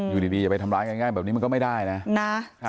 อยู่ดีอย่าไปทำร้ายง่ายแบบนี้มันก็ไม่ได้นะ